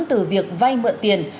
từ việc vay mượn tiền